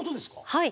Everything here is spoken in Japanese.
はい。